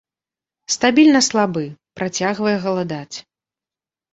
Стабільна слабы, працягвае галадаць.